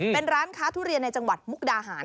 เป็นร้านค้าทุเรียนในจังหวัดมุกดาหาร